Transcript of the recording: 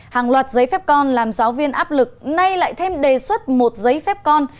hàng loạt giấy phép con làm giáo viên áp lực nay lại thêm đề xuất một giấy phép con